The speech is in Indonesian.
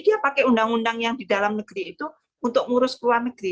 dia pakai undang undang yang di dalam negeri itu untuk ngurus ke luar negeri